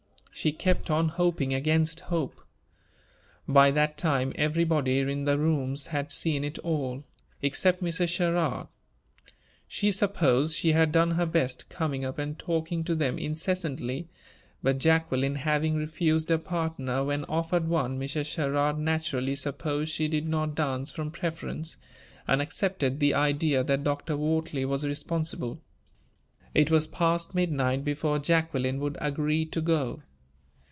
She kept on hoping against hope. By that time everybody in the rooms had seen it all, except Mrs. Sherrard. She supposed she had done her best, coming up and talking to them incessantly; but, Jacqueline having refused a partner when offered one, Mrs. Sherrard naturally supposed she did not dance from preference, and accepted the idea that Dr. Wortley was responsible. It was past midnight before Jacqueline would agree to go.